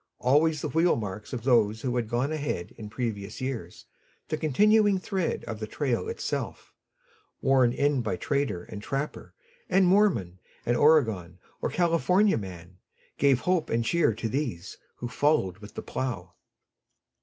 Always the wheel marks of those who had gone ahead in previous years, the continuing thread of the trail itself, worn in by trader and trapper and Mormon and Oregon or California man, gave hope and cheer to these who followed with the plow.